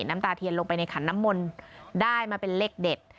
น้ำตาเทียนลงไปในขันน้ำมนต์ได้มาเป็นเลขเด็ด